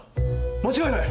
間違いない。